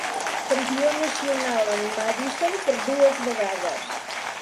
Campió nacional en Madison per dues vegades.